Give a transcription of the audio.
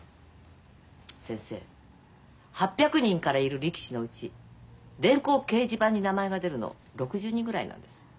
先生８００人からいる力士のうち電光掲示板に名前が出るの６０人ぐらいなんです。